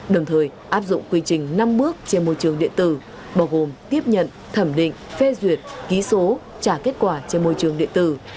đồng thời áp dụng quy trình năm bước trên môi trường điện tử bao gồm tiếp nhận thẩm định phê duyệt ký số trả kết quả trên môi trường điện tử